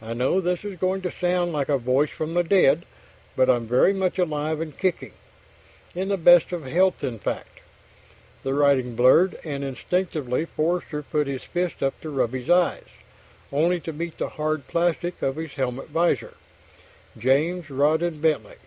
I know this is going to sound like a voice from the dead, but I'm very much alive and kicking in the best of health in fact.... The writing blurred, and instinctively Forster put his fist up to rub his eyes, only to meet the hard plastic of his helmet visor. James Rawdon Bentley....